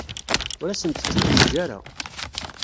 Ur asent-tt-id-yeǧǧa ara.